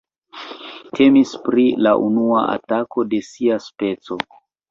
Temis pri la unua atako de sia speco.